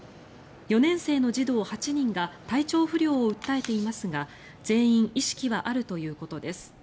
４年生の児童８人が体調不良を訴えていますが全員、意識はあるということです。